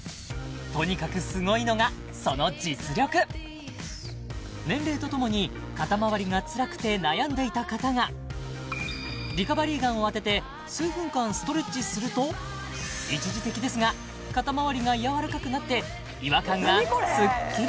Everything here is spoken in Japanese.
とにかくすごいのがその実力年齢とともに肩まわりがつらくて悩んでいた方がリカバリーガンを当てて数分間ストレッチすると一時的ですが肩まわりがやわらかくなって違和感がすっきり！